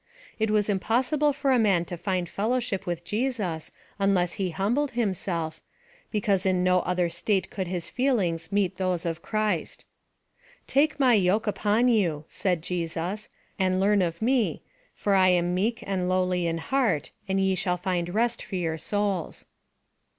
It was impossible for a man to find fellowship with Jesus unless he humbled himself, because in no other no PHILOSOPHY OF THE State could his feelings meet those of Christ. " Take my yoke upon ) on," said Jesns, " and learn of me, for 1 am meek and lowly in heart, and ye shall lind rest for your souls."